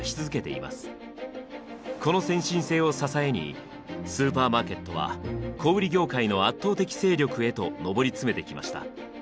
この先進性を支えにスーパーマーケットは小売業界の圧倒的勢力へとのぼり詰めてきました。